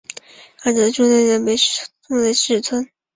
儿子朱健杙被册封为世孙。